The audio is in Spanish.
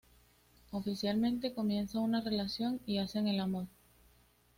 Oficialmente comienzan una relación y hacen el amor.